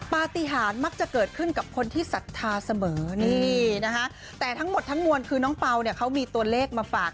ปฏิหารมักจะเกิดขึ้นกับคนที่ศรัทธาเสมอนี่นะคะแต่ทั้งหมดทั้งมวลคือน้องเปล่าเนี่ยเขามีตัวเลขมาฝาก